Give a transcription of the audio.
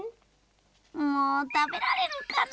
もうたべられるかな？